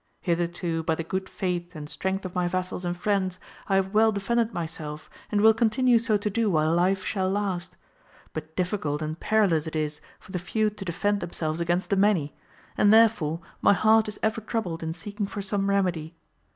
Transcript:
Hitherto by the good faith and strength of my vassals and friends I have well defended myself, and will continue so to do while life shall last ; but difficult and perilous it is for the few to defend themselves against the many, and therefore my heart is ever troubled in seeking for some remedy.